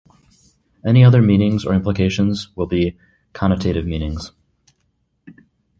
Any other meanings or implications will be connotative meanings.